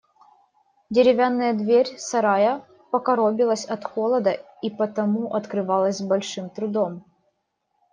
Деревянная дверь сарая покоробилась от холода и потому открывалась с большим трудом.